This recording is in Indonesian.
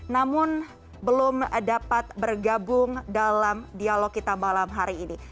namun belum dapat bergabung dalam dialog kita malam hari ini